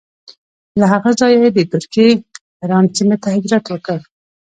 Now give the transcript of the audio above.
له هغه ځایه یې د ترکیې حران سیمې ته هجرت وکړ.